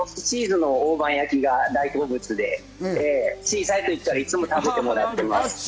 チーズの大判焼きが大好物で、小さい時からいつも食べてもらっています。